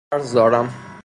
عرض دارم.